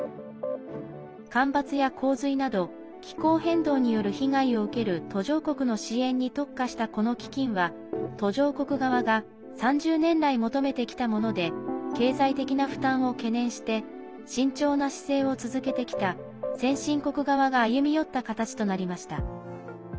干ばつや洪水など気候変動による被害を受ける途上国の支援に特化したこの基金は途上国側が３０年来、求めてきたもので経済的な負担を懸念して慎重な姿勢を続けてきた先進国側が歩み寄った形となりました。